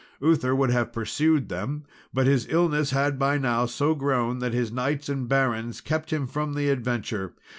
Uther would have pursued them; but his illness had by now so grown, that his knights and barons kept him from the adventure.